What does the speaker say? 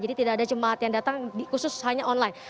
jadi tidak ada jemaat yang datang khusus hanya online